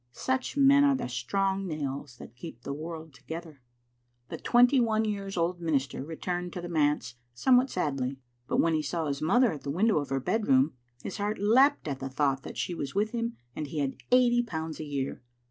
Such men are the strong nails that keep the world together. The twenty one years old minister returned to the manse somewhat sadly, but when he saw his mother at the window of her bed room, his heart leapt at the thought that she was with him and he had eighty pounds a year.